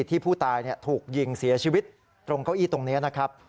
ที่ผู้ตายถูกยิงเสียชีวิตตรงเก้าอี้ตรงนี้นะครับ